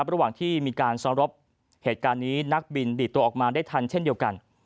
ระหว่างที่มีการซ้อมรบเหตุการณ์นี้นักบินดีดตัวออกมาได้ทันเช่นเดียวกัน